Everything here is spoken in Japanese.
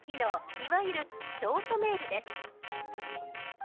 いわゆるショートメールです。